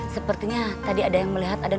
sepertinya tadi ada yang melihat aden